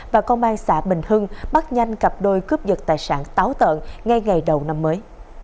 và công an xã bình hưng bắt nhanh cặp đôi cướp dật tài sản táo tợn ngay ngày đầu năm mới